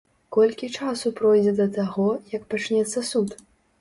Колькі часу пройдзе да таго, як пачнецца суд?